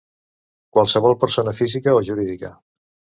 Qualsevol persona física o jurídica.